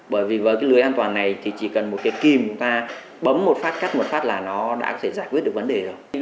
bởi vì với cái lưới an toàn này thì chỉ cần một cái kìm ta bấm một phát cắt một phát là nó đã có thể giải quyết được vấn đề rồi